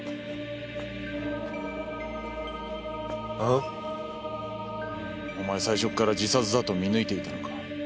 ん？お前最初っから自殺だと見抜いていたのか？